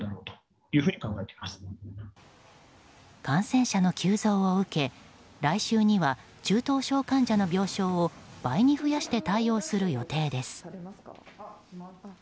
感染者の急増を受け来週には中等症患者の病床を倍に増やして対応する予定です。